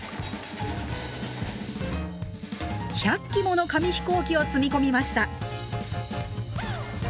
１００機もの紙飛行機を積み込みました。